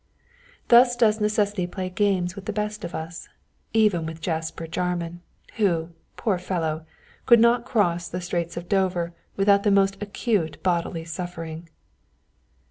Thus does necessity play games with the best of us, even with Jasper Jarman, who, poor fellow, could not cross the straits of Dover without the most acute bodily suffering.